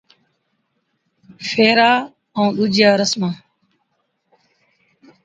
ڦيرا ائُون ڏُوجِيا رسما